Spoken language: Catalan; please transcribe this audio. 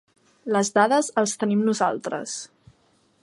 Les dades els tenim nosaltres.